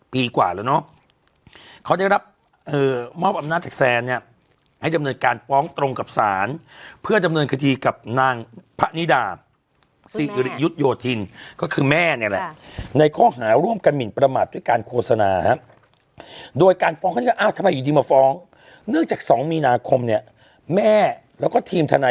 ปีกว่าแล้วเนาะเขาได้รับมอบอำนาจจักรแซนเนี่ยให้จำนวนการฟ้องตรงกับศาลเพื่อจำนวนคฑีกับนางพระนิดายุทย์โยธินก็คือแม่เนี่ยแหละในข้อหาร่วมกันหมิ่นประมาทด้วยการโฆษณาโดยการฟ้องทำไมอยู่ดีมาฟ้องเนื่องจากสองมีน